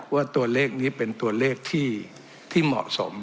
ว่าตัวเลขนี้เป็นตัวเลขที่เหมาะสม